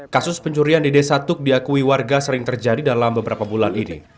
kasus pencurian di desa tuk diakui warga sering terjadi dalam beberapa bulan ini